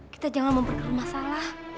kita jangan memperkenalkan masalah